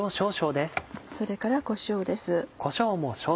それからこしょうです。